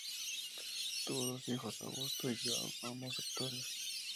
Tuvo dos hijos Augusto y João, ambos actores.